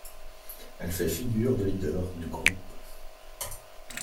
Elle fait figure de leader du groupe.